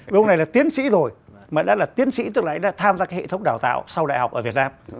lúc này là tiến sĩ rồi mà đã là tiến sĩ tức là đã tham gia hệ thống đào tạo sau đại học ở việt nam